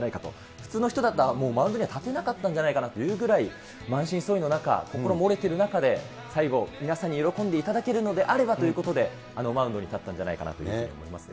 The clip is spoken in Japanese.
普通の人だったら、もうマウンドには立てなかったんじゃないかなというぐらい満身創痍の中、心も折れてる中で、最後、皆さんに喜んでいただけるのであればということで、あのマウンドに立ったんじゃないかと思いますね。